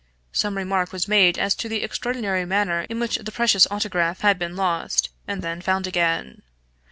Some remark was made as to the extraordinary manner in which the precious Autograph had been lost, and then found again.